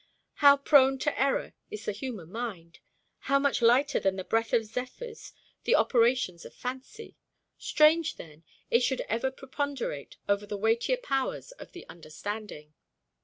How prone to error is the human mind! how much lighter than the breath of zephyrs the operations of fancy! Strange, then, it should ever preponderate over the weightier powers of the understanding.